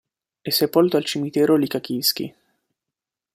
È sepolto al cimitero Lyčakivs'kyj.